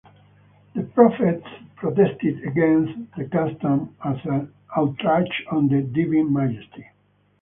The prophets protested against the custom as an outrage on the divine majesty.